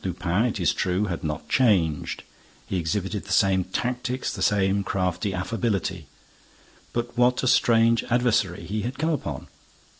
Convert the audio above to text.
Lupin, it is true, had not changed; he exhibited the same tactics, the same crafty affability. But what a strange adversary he had come upon!